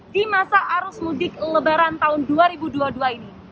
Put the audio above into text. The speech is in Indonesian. di masa arus mudik lebaran tahun dua ribu dua puluh dua ini